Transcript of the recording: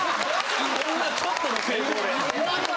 そんなちょっとの抵抗で。